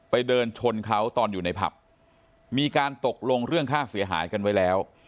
เดินชนเขาตอนอยู่ในผับมีการตกลงเรื่องค่าเสียหายกันไว้แล้ว